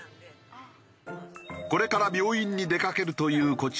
これから病院に出かけるというこちらの女性。